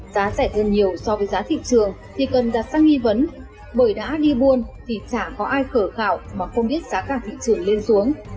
giá rẻ hơn nhiều so với giá thị trường thì cần đặt ra nghi vấn bởi đã đi buôn thì chả có ai khởi khảo mà không biết giá cả thị trường lên xuống